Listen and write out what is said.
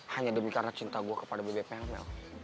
hanya demi karena cinta gue kepada bebek mel mel